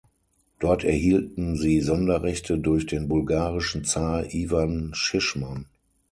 Dort erhielten sie Sonderrechte durch den bulgarischen Zar Iwan Schischman.